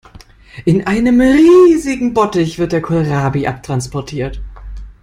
In einem riesigen Bottich wird der Kohlrabi abtransportiert.